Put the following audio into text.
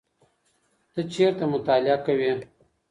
ته چېرته مطالعه کوې؟